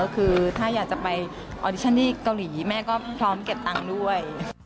คือถ้าอยากจะไปออดิชั่นที่เกาหลีแม่ก็พร้อมเก็บตังค์ด้วย